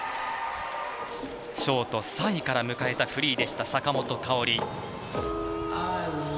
ショート３位から迎えたフリーでした、坂本花織。